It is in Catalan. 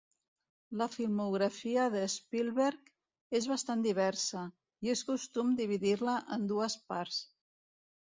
La filmografia de Spielberg és bastant diversa, i és costum dividir-la en dues parts.